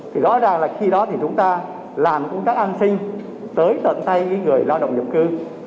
thì rõ ràng là khi đó thì chúng ta làm công tác an sinh tới tận tay người lao động nhập cư